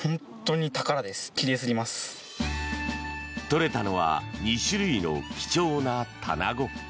取れたのは２種類の貴重なタナゴ。